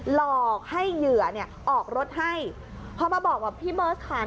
หลอกให้เหยือออกรถให้เพื่อมาบอกว่าพี่เบิ้ลค่ะ